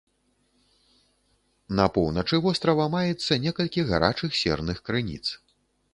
На поўначы вострава маецца некалькі гарачых серных крыніц.